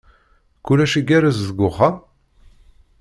Kullec igerrez deg uxxam?